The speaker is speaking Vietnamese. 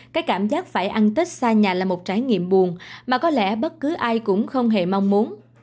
cái cảm giác phải ăn tết xa nhà là một trải nghiệm buồn mà có lẽ bất cứ ai cũng không hề mong muốn